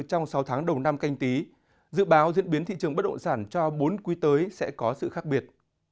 đồng năm canh tí dự báo diễn biến thị trường bất động sản cho bốn quý tới sẽ có sự khác biệt